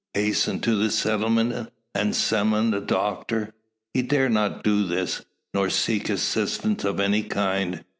Hasten to the settlement, and summon a doctor? He dares not do this; nor seek assistance of any kind.